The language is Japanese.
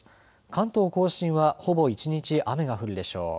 関東甲信はほぼ一日雨が降るでしょう。